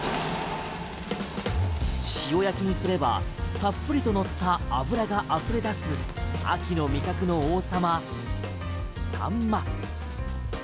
塩焼きにすればたっぷりと乗った脂があふれ出す秋の味覚の王様、サンマ。